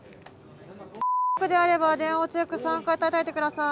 ××区であれば電話を強く３回たたいて下さい。